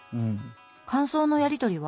感想のやり取りは？